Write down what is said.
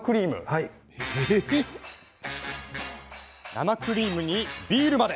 生クリームにビールまで。